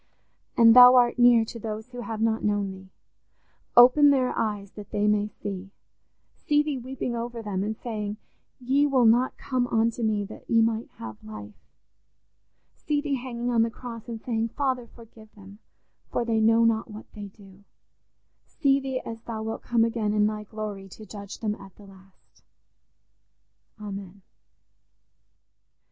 And Thou art near to those who have not known Thee: open their eyes that they may see Thee—see Thee weeping over them, and saying 'Ye will not come unto me that ye might have life'—see Thee hanging on the cross and saying, 'Father, forgive them, for they know not what they do'—see Thee as Thou wilt come again in Thy glory to judge them at the last. Amen."